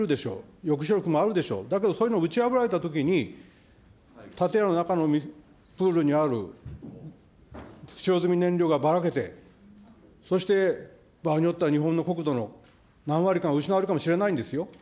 抑止力もあるでしょう、だけどそういうのを打ち破られたときに、建屋の中のプールにある使用済み燃料がばらけて、そして、場合によっては日本の国土の何割かが失われるかもしれないんですよ。